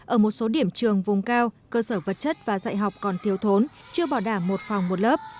ở một số điểm trường vùng cao cơ sở vật chất và dạy học còn thiếu thốn chưa bảo đảm một phòng một lớp